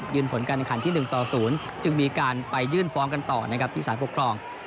ผลการแข่งขันที่๑ต่อ๐จึงมีการไปยื่นฟ้องกันต่อนะครับที่สารปกครอง